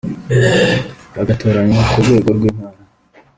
bagatoranywa ku rwego rw’intara